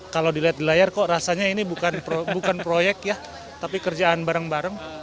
kalau dilihat di layar kok rasanya ini bukan proyek ya tapi kerjaan bareng bareng